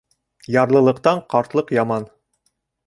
Ярлылыҡтан ҡартлыҡ яман.